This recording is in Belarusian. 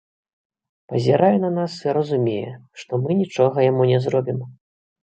Пазірае на нас і разумее, што мы нічога яму не зробім.